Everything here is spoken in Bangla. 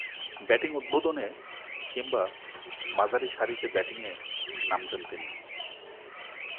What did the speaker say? ব্যাটিং উদ্বোধনে কিংবা মাঝারিসারিতে ব্যাটিংয়ে নামতেন তিনি।